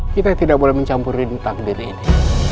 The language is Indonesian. kita tidak boleh mencampurkan takdir ini